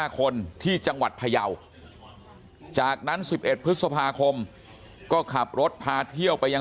๕คนที่จังหวัดพยาวจากนั้น๑๑พฤษภาคมก็ขับรถพาเที่ยวไปยัง